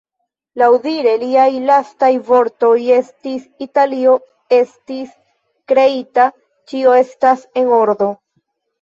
Laŭdire liaj lastaj vortoj estis "Italio estis kreita, ĉio estas en ordo.